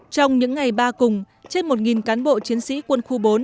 trong những ngày ba cùng trên một cán bộ chiến sĩ quân khu bốn